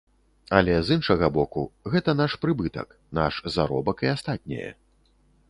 Але, з іншага боку, гэта наш прыбытак, наш заробак і астатняе.